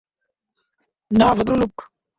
না, ভদ্রলোক।